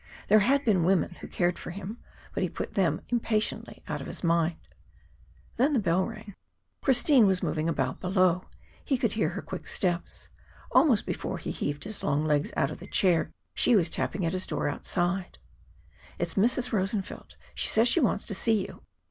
There had been women who had cared for him, but he put them impatiently out of his mind. Then the bell rang. Christine was moving about below. He could hear her quick steps. Almost before he had heaved his long legs out of the chair, she was tapping at his door outside. "It's Mrs. Rosenfeld. She says she wants to see you."